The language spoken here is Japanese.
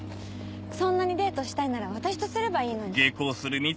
そんなにデートしたいなら私とすればいいのに。